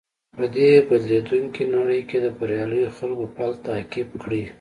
په دې بدليدونکې نړۍ کې د برياليو خلکو پل تعقيب کړئ.